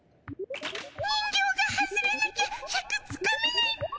人形が外れなきゃシャクつかめないっピ。